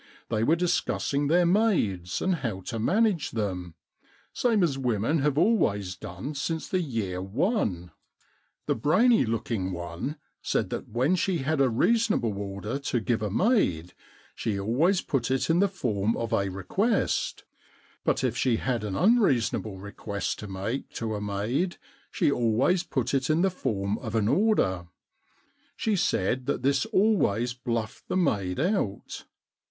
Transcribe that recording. They were discussing their maids and how to manage them, same as women have always done since the year one. The brainy looking one said that when she had a reasonable order to give a maid, she always put it in the form of a request ; but if she had an unreasonable request to make to a maid, she always put it in the form of an order. She said that this always bluffed the maid out.